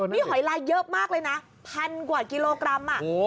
นี่หอยลายเยอะมากเลยนะพันกว่ากิโลกรัม